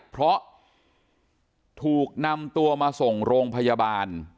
เพราะถูกนำตัวมาส่งโรงพยาบาล